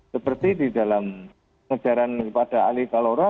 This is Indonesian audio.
seperti di dalam pengejaran kepada ali kalora